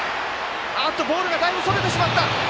ボールがだいぶそれてしまった！